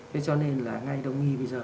thế cho nên là ngay đông y bây giờ